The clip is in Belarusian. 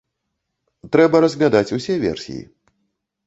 Трэба разглядаць усе версіі.